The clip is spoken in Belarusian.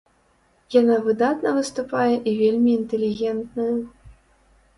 Яна выдатна выступае і вельмі інтэлігентная!